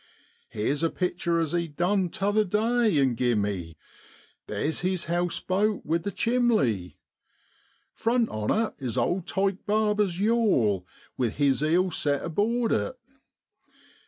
Here's a pictur as he done the t'other day an' gie me, there's his house boat wi' the chimley. Front on it is old Tyke Barber's yawl, with his eel set aboard it.